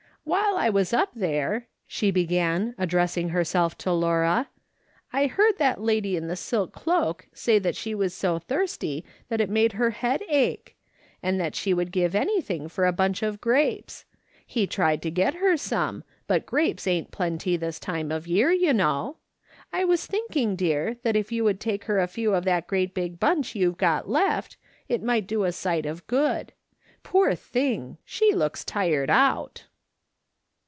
" While I was up there," she began, addressing herself to Laura, " I heard that lady in the silk cloak say she was so thirsty that it made her head ache ; and that she would give anything for a bunch of grapes ; he tried to get her some, but grapes ain't plenty this time of year, you know. I was thinking, dear, that if you would take her a few of that great big bunch you've got left, it might do a sight of good. Poor thing ! she looks tired out."